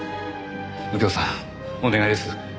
右京さんお願いです。